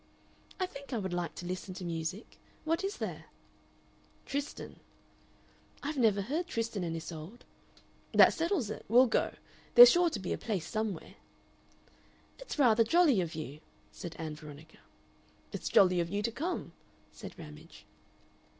"I think I would like to listen to music. What is there?" "Tristan." "I've never heard Tristan and Isolde." "That settles it. We'll go. There's sure to be a place somewhere." "It's rather jolly of you," said Ann Veronica. "It's jolly of you to come," said Ramage.